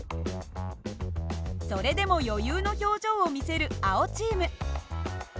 それでも余裕の表情を見せる青チーム。